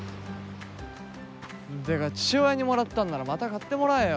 てか父親にもらったんならまた買ってもらえよ。